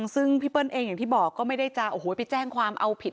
ซึ่งพี่เปิ้ลเองอย่างที่บอกก็ไม่ได้จะไปแจ้งความเอาผิด